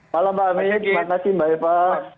malam pak amin terima kasih mbak eva